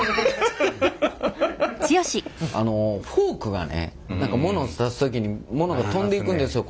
あのフォークがね何かもの刺す時にものが飛んでいくんですよ。